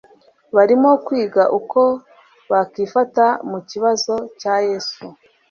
barimo kwiga uko bakifata mu kibazo cya Yesu,